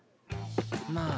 まあ